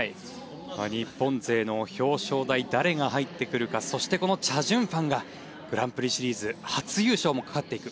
日本勢の表彰台誰が入ってくるかそして、チャ・ジュンファンがグランプリシリーズ初優勝もかかっていく